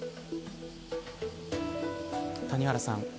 谷原さん